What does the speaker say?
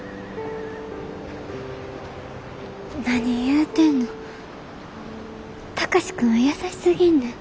何言うてんの貴司君は優しすぎんねん。